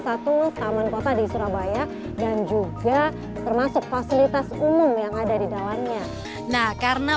satu taman kota di surabaya dan juga termasuk fasilitas umum yang ada di dalamnya nah karena